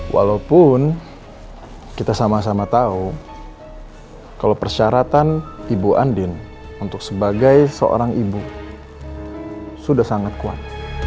walaupun kita sama sama tahu kalau persyaratan ibu andin untuk sebagai seorang ibu sudah sangat kuat